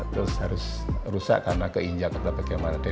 terus harus rusak karena keinjak atau bagaimana